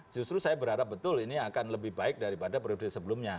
justru saya berharap betul ini akan lebih baik daripada periode sebelumnya